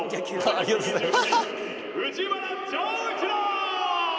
ありがとうございます。